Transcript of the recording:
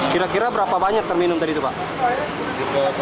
kira kira berapa banyak terminum tadi itu pak